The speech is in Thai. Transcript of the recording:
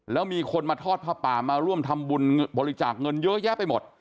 แล้วมีคนมาทอดผ้าป่ามาร่วมทำบุญบริจาคเงินเยอะแยะไปหมด